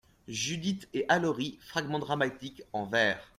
Judith et Allori, fragment dramatique, en vers.